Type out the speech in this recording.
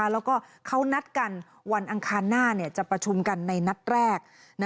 แล้วก็เขานัดกันวันอังคารหน้าจะประชุมกันในนัดแรก